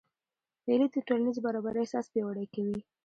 مېلې د ټولنیزي برابرۍ احساس پیاوړی کوي.